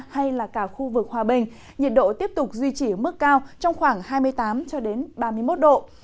hay là cả khu vực hòa bình nhiệt độ tiếp tục duy trì ở mức cao trong khoảng hai mươi tám ba mươi một độ